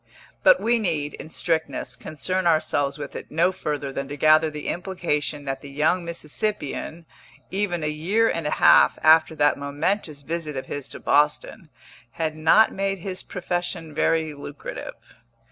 But we need, in strictness, concern ourselves with it no further than to gather the implication that the young Mississippian, even a year and a half after that momentous visit of his to Boston, had not made his profession very lucrative.